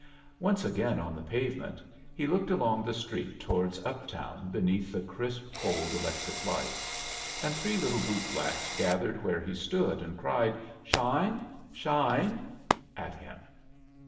Once agata on the pavement, he looked along the street towards up town beneath the crisp, cold electric lights, and three little bootblacks gathered where he stood, and cried, "Shine? Shine?" at him.